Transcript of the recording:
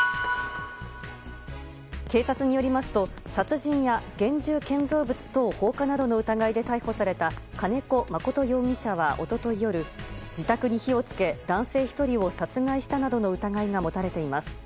警察によりますと殺人や現住建造物等放火などの疑いで金子誠容疑者は一昨日夜自宅に火を付け男性１人を殺害したなどの疑いが持たれています。